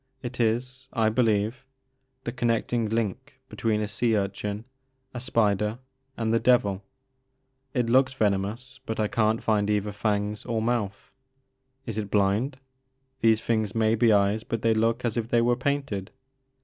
It is, I believe, the connecting link between a sea urchin, a spider, and the devil. It looks venomous but I can't find either fangs or mouth. Is it blind ? These things may be eyes but they look as if they were painted.